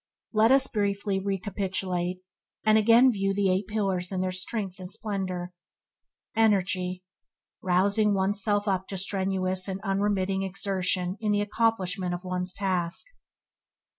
Let us briefly recapitulate, and again view the Eight Pillars in their strength and splendour. Energy – Rousing one's self up to strenuous and unremitting exertion in the accomplishment of one's task.